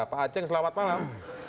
pak aceh selamat malam